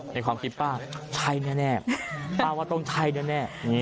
ในความคิดป้าใช่แน่ป้าว่าต้องใช่แน่